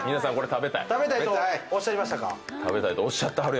食べたいおっしゃってはるやん。